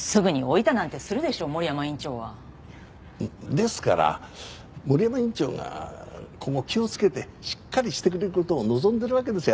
ですから森山院長が今後気をつけてしっかりしてくれる事を望んでるわけですよ